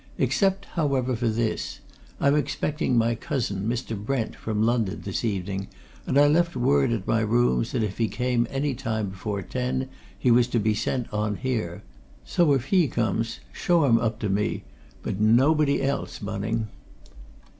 Except, however, for this I'm expecting my cousin, Mr. Brent, from London, this evening, and I left word at my rooms that if he came any time before ten he was to be sent on here. So, if he comes, show him up to me. But nobody else, Bunning."